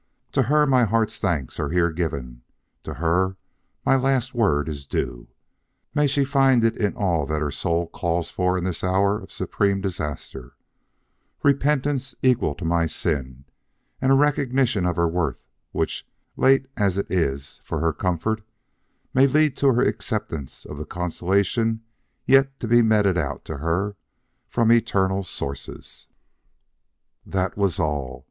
To her my heart's thanks are here given; to her my last word is due. May she find in it all that her soul calls for in this hour of supreme disaster: repentance equal to my sin, and a recognition of her worth, which, late as it is for her comfort, may lead to her acceptance of the consolation yet to be meted out to her from eternal sources." That was all.